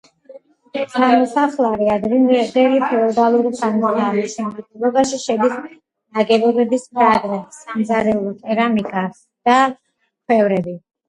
ნამოსახლარი ადრინდელი ფეოდალური ხანისაა, მის შემადგენლობაში შედის ნაგებობის ფრაგმენტი, სამზარეულო კერამიკა და ქვევრები.